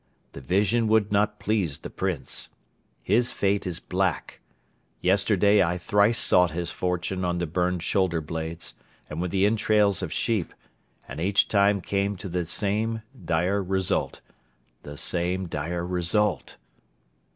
The vision would not please the Prince. His fate is black. Yesterday I thrice sought his fortune on the burned shoulder blades and with the entrails of sheep and each time came to the same dire result, the same dire result!